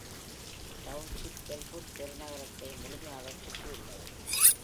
Township Bellwood பெருநகரத்தை முழுமையாகச் சுற்றி உள்ளது.